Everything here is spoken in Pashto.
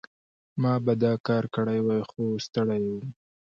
ما به دا کار کړی وای، خو ستړی وم.